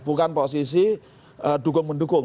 bukan posisi dukung mendukung